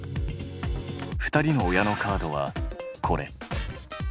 ２人の親のカードはこれ。